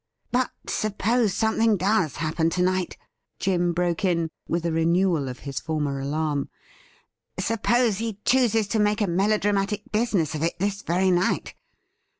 'But suppose something does happen to night?' Jim broke in, with a renewal of his former alarm. ' Suppose he chooses to make a melodramatic business of it this very night